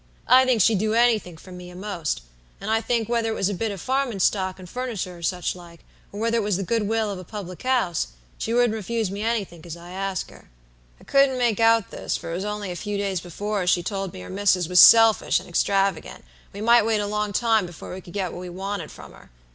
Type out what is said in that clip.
I think she'd do any think for me a'most; and I think, whether it was a bit o' farming stock and furniture or such like, or whether it was the good will of a public house, she wouldn't refuse me anythink as I asked her.' "I couldn't make out this, for it was only a few days before as she'd told me her missus was selfish and extravagant, and we might wait a long time before we could get what we wanted from her.